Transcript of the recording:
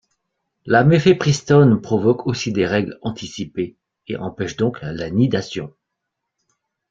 La mifépristone provoque aussi des règles anticipées et empêche donc la nidation.